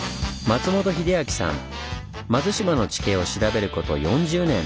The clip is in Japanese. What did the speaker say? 松島の地形を調べること４０年！